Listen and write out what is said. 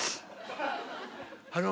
あの。